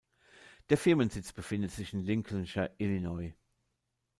Der Firmensitz befindet sich in Lincolnshire, Illinois.